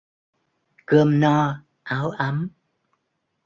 Cơm no, áo ấm